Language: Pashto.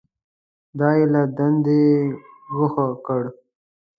دی یې له دندې ګوښه کړ.